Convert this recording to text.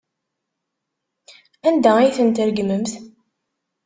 Anda ay tent-tregmemt?